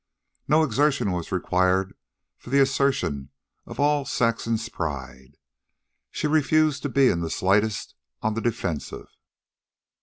No exertion was required for the assertion of all of Saxon's pride. She refused to be in the slightest on the defensive.